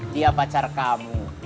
dia pacar kamu